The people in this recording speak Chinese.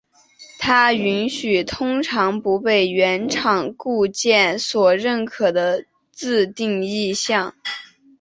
它允许通常不被原厂固件所认可的自定义项。